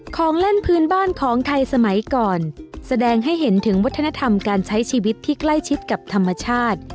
ของเล่นพื้นบ้านของไทยสมัยก่อนแสดงให้เห็นถึงวัฒนธรรมการใช้ชีวิตที่ใกล้ชิดกับธรรมชาติ